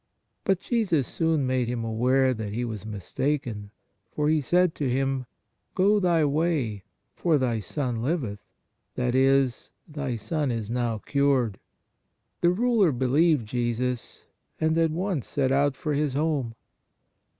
But Jesus soon made him aware that he was mistaken, for He said to him :" Go thy way, for thy son liveth," that is, thy son is now cured. The ruler believed Jesus, and at once set out for his home.